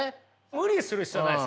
無理する必要はないですよ。